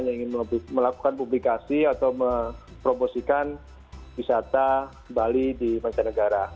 saya tidak ada unsur apa apa saya hanya ingin melakukan publikasi atau mempromosikan wisata bali di masyarakat negara